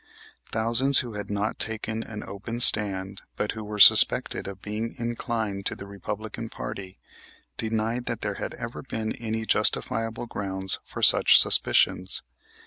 Thousands who had not taken an open stand, but who were suspected of being inclined to the Republican party, denied that there had ever been any justifiable grounds for such suspicions.